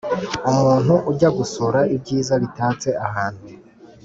Umuntu ujya gusura ibyiza bitatse ahantu